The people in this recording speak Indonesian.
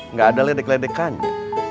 nggak ada ledek ledekannya